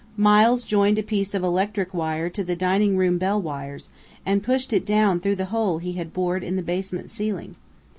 Miles joined a piece of electric wire to the dining room bell wires, and pushed it down through the hole he had bored into the basement ceiling.